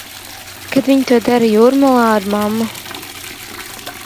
Kad viņa to dara Jūrmalā ar mammu.